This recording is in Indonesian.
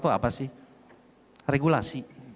itu apa sih regulasi